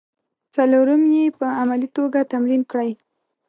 څلورم یې په عملي توګه تمرین کړئ.